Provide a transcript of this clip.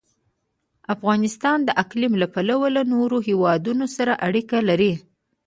افغانستان د اقلیم له پلوه له نورو هېوادونو سره اړیکې لري.